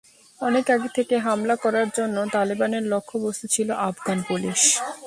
অনেক আগে থেকে হামলা করার জন্য তালেবানের লক্ষ্যবস্তু ছিল আফগান পুলিশ।